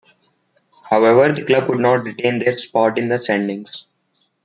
However, the club could not retain their spot in the standings.